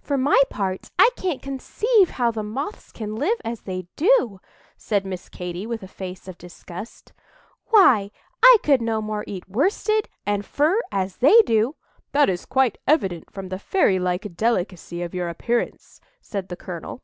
"For my part, I can't conceive how the Moths can live as they do," said Miss Katy, with a face of disgust. "Why, I could no more eat worsted and fur, as they do—" "That is quite evident from the fairy like delicacy of your appearance," said the colonel.